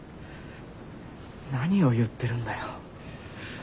何を言ってるんだよ。